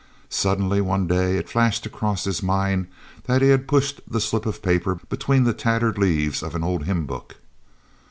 Suddenly one day it flashed across his mind that he had pushed the slip of paper between the tattered leaves of an old hymn book.